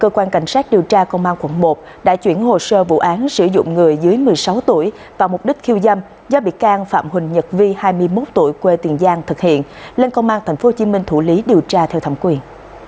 cơ quan cảnh sát điều tra công an quận một đã chuyển hồ sơ vụ án sử dụng người dưới một mươi sáu tuổi vào mục đích khiêu dâm do bị can phạm huỳnh nhật vi hai mươi một tuổi quê tiền giang thực hiện lên công an tp hcm thủ lý điều tra theo thẩm quyền